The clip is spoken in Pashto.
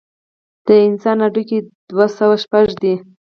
د انسان هډوکي دوه سوه شپږ دي.